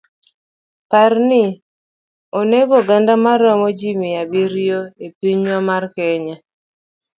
Parni onego oganda maromo ji mia abiriyo epinywa mar Kenya.